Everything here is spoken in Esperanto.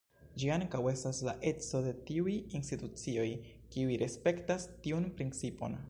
Ĝi ankaŭ estas la eco de tiuj institucioj, kiuj respektas tiun principon.